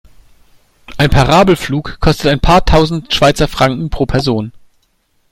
Ein Parabelflug kostet ein paar tausend Schweizer Franken pro Person.